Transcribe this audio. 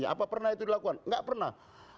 apa pernah itu dilakukan nggak pernah